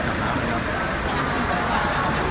โชครับผม